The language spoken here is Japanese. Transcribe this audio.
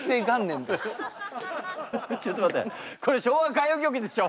ちょっと待ってこれ「昭和歌謡曲」でしょ。